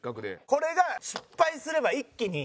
これが失敗すれば一気に。